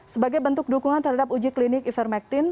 sebagai bentuk dukungan terhadap uji klinik ivermectin